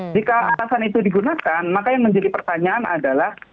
jika alasan itu digunakan maka yang menjadi pertanyaan adalah